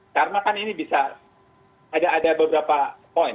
karena kan ini bisa ada beberapa poin